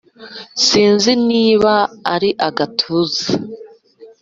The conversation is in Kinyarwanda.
sinzi niba ari agatuza.